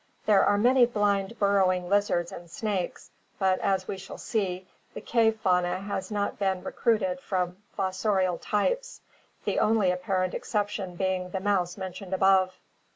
There are many blind burrowing lizards and snakes, but, as we shall see, the cave fauna has not been recruited from fossorial types, the only apparent exception being the mouse mentioned above.